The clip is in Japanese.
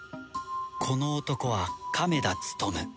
この男は亀田勉